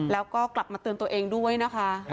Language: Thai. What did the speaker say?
แล้วก็กลับมาเตือนตัวเองด้วยนะคะ